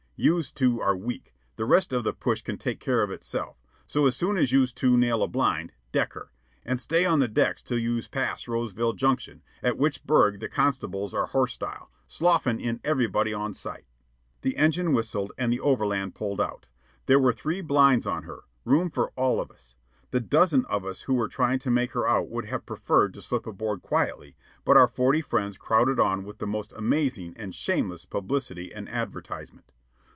Youse two are weak. The rest of the push can take care of itself. So, as soon as youse two nail a blind, deck her. An' stay on the decks till youse pass Roseville Junction, at which burg the constables are horstile, sloughin' in everybody on sight." The engine whistled and the overland pulled out. There were three blinds on her room for all of us. The dozen of us who were trying to make her out would have preferred to slip aboard quietly; but our forty friends crowded on with the most amazing and shameless publicity and advertisement.